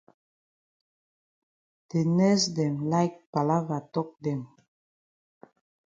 De nurse dem like palava tok dem.